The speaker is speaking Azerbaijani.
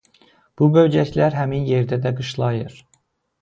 Bu böcəklər həmin yerdə də qışlayır.